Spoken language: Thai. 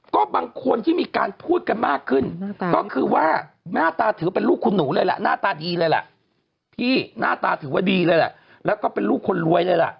ก็บางคนที่มีการพูดกันมากขึ้นก็คือว่าหน้าตาถือเป็นลูกคุณหนูเลยแหละหน้าตาดีเลยแหละที่หน้าตาถือว่าดีเลยแหละแล้วก็เป็นลูกคนรวยเลยล่ะ